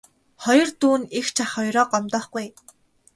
Хоёр дүү нь эгч ах хоёроо гомдоохгүй ээ.